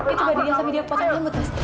itu badriah sampe dia potong rambut mas